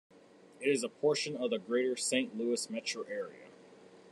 It is a portion of the Greater Saint Louis metro area.